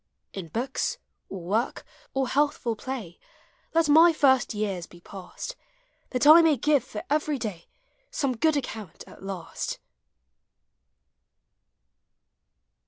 In books, or work, or healthful piny. Let my first years be passed ; That I may give for every day Some good account at last.